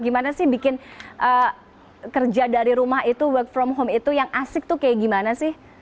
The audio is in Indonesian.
gimana sih bikin kerja dari rumah itu work from home itu yang asik tuh kayak gimana sih